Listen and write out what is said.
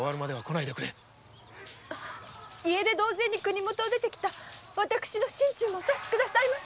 家出同然に国元を出てきた私の心中もお察しくださいませ。